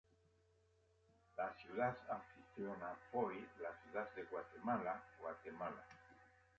La ciudad anfitriona foi la Ciudad de Guatemala, Guatemala.